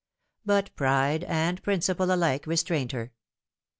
But pride and principle alike restrained her.